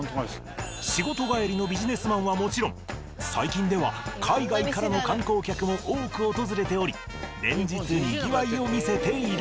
仕事帰りのビジネスマンはもちろん最近では海外からの観光客も多く訪れており連日にぎわいを見せている。